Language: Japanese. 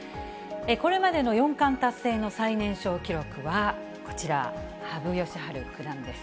これまでの四冠達成の最年少記録はこちら、羽生善治九段です。